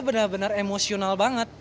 benar benar emosional banget